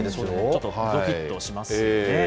ちょっとどきっとしますよね。